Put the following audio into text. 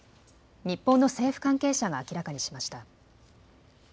日本の政府関係者が明らかにしました。